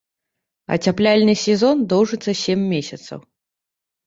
Ацяпляльны сезон доўжыцца сем месяцаў.